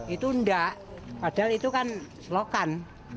itu enggak padahal itu kan selokan